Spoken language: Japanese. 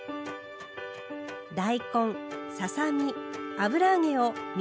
大根ささ身油揚げを水で煮ます。